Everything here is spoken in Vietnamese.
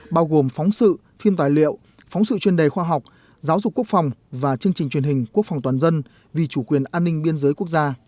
bao gồm phóng sự phim tài liệu phóng sự chuyên đề khoa học giáo dục quốc phòng và chương trình truyền hình quốc phòng toàn dân vì chủ quyền an ninh biên giới quốc gia